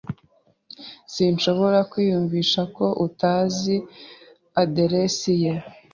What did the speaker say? Sinshobora kwiyumvisha ko utazi aderesi ye.